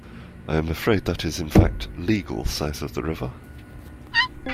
I'm afraid that is in fact legal south of the river.